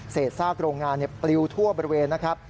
ซากโรงงานปลิวทั่วบริเวณนะครับ